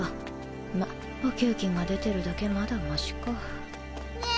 まぁお給金が出てるだけまだマシかねぇ